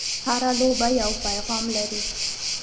هره لوبه یو پیغام لري.